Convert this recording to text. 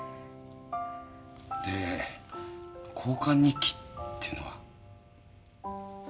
で交換日記っていうのは。